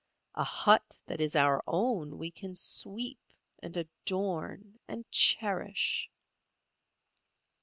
A hut that is our own we can sweep and adorn and cherish.